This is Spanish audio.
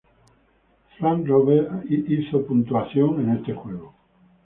Frank Roberts anotó un hat trick en este juego.